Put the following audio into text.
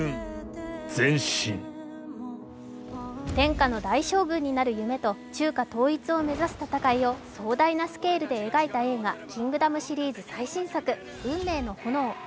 天下の大将軍による夢と中華統一を目指す戦いを壮大なスケールで描いた映画「キングダム」シリーズ最新作「運命の炎」。